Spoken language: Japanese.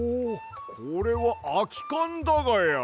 これはあきかんだがや。